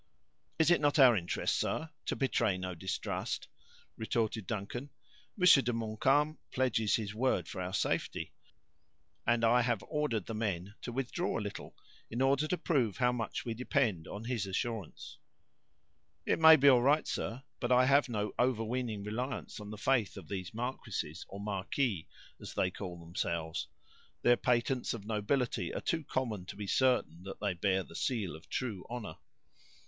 "Is it not our interest, sir, to betray no distrust?" retorted Duncan. "Monsieur de Montcalm pledges his word for our safety, and I have ordered the men to withdraw a little, in order to prove how much we depend on his assurance." "It may be all right, sir, but I have no overweening reliance on the faith of these marquesses, or marquis, as they call themselves. Their patents of nobility are too common to be certain that they bear the seal of true honor."